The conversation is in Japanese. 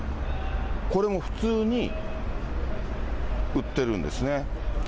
これも普通に、売ってるんですね。